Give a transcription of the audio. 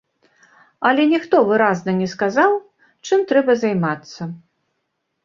Але ніхто выразна не сказаў, чым трэба займацца.